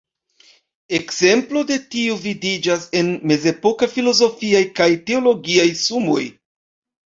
Ekzemplo de tiu vidiĝas en mezepokaj filozofiaj kaj teologiaj sumoj.